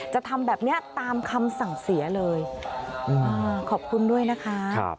ทำแบบนี้ตามคำสั่งเสียเลยขอบคุณด้วยนะคะ